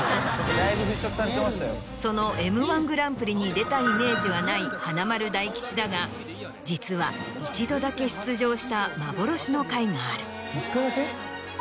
その『Ｍ−１グランプリ』に出たイメージはない華丸・大吉だが実は１度だけ出場した幻の回がある。